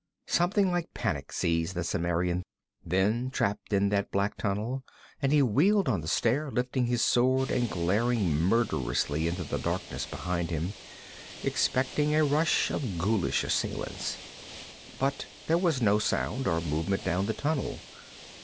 Something like panic seized the Cimmerian then, trapped in that black tunnel, and he wheeled on the stair, lifting his sword and glaring murderously into the darkness behind him, expecting a rush of ghoulish assailants. But there was no sound or movement down the tunnel.